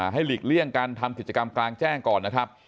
หลีกเลี่ยงการทำกิจกรรมกลางแจ้งก่อนนะครับ